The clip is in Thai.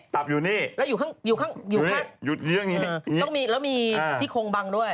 ตับอยู่นี่อยู่ข้างนี้ต้องมีแล้วมีชิคกรมบังด้วย